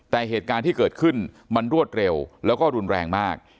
แต่เหตุการณ์ที่เกิดขึ้นมันรวดเร็วแล้วก็รุนแรงมาก